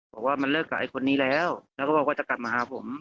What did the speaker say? บอกว่ามันเลิกกับไอ้คนนี้แล้วแล้วก็บอกว่าจะกลับมาหาผม